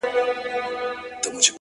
دا نو ژوند سو درد یې پرېږده او یار باسه;